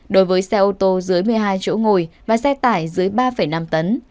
đối với xe ô tô dưới một mươi hai chỗ ngồi và xe tải dưới ba năm tấn